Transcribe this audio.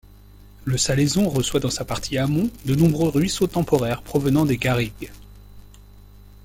Le Salaison reçoit dans sa partie amont de nombreux ruisseaux temporaires provenant des garrigues.